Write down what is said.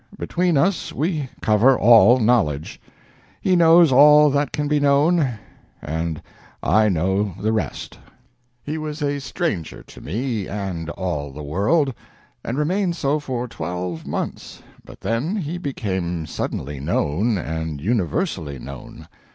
Between us we cover all knowledge. He knows all that can be known, and I know the rest." He was a stranger to me and all the world, and remained so for twelve months, but then he became suddenly known and universally known.